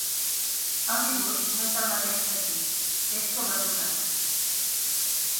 El dibuix no és del mateix teixit: és sobreposat.